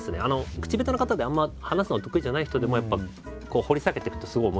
口下手な方であんま話すのが得意じゃない人でもやっぱ掘り下げていくとすごい面白い考え